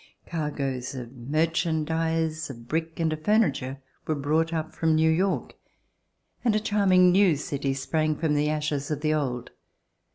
Cargoes of merchandise, of brick, and of furniture were brought up from New \'ork, and a charming new city sprang from the ashes of the old.